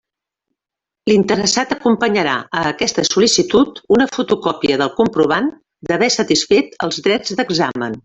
L'interessat acompanyarà a aquesta sol·licitud una fotocòpia del comprovant d'haver satisfet els drets d'examen.